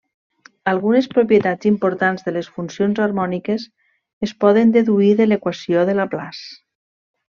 Algunes propietats importants de les funcions harmòniques es poden deduir de l'equació de Laplace.